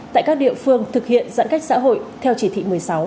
tại các địa phương thực hiện giãn cách xã hội theo chỉ thị một mươi sáu